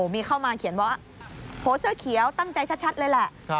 มีเข้ามาเขียนว่าโพสต์เสื้อเขียวตั้งใจชัดเลยแหละ